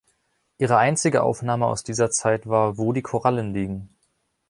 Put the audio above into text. Ihre einzige Aufnahme aus dieser Zeit war „Wo die Korallen liegen“.